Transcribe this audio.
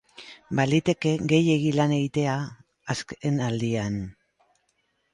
Baliteke gehiegi lan egitea azkenaldian.